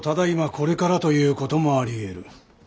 これからということもありえる。